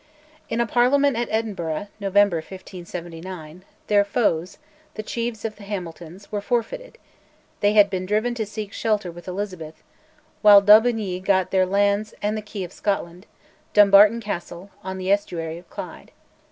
In a Parliament at Edinburgh (November 1579) their foes, the chiefs of the Hamiltons, were forfeited (they had been driven to seek shelter with Elizabeth), while d'Aubigny got their lands and the key of Scotland, Dumbarton Castle, on the estuary of Clyde.